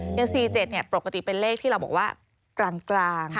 อย่าง๔๗ปกติเป็นเลขที่เราบอกว่ากลาง